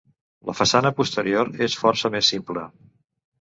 La façana posterior és força més simple.